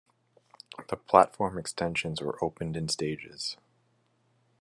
The platform extensions were opened in stages.